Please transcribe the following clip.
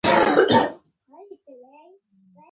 دوی به تر هغه وخته پورې په ټولګیو کې حاضریږي.